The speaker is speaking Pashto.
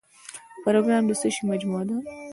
پروګرام د څه شی مجموعه ده؟